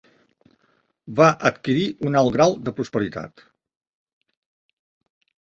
Va adquirir un alt grau de prosperitat.